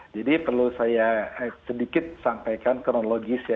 jadi perlu saya sedikit sampaikan kronologis ya